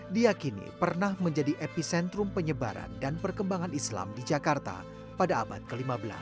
diakini pernah menjadi epicentrum penyebaran dan perkembangan islam di jakarta pada abad ke lima belas